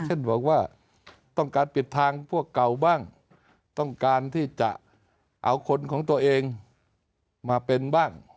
เช่นบอกว่าต้องการปิดทางพวกเก่าบ้างต้องการที่จะเอาคนของตัวเองมาเป็นบ้าง